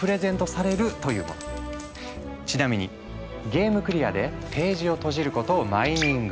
ちなみにゲームクリアでページをとじることをマイニング